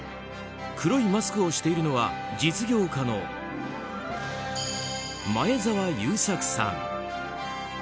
黒いマスクをしているのは実業家の前澤友作さん。